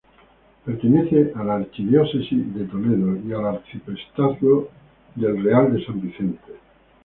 Pertenece a la archidiócesis de Toledo y al arciprestazgo del Real de San Vicente.